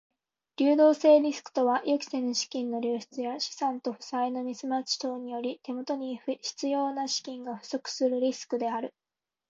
流動性リスクとは予期せぬ資金の流出や資産と負債のミスマッチ等により手元に必要な資金が不足するリスクである。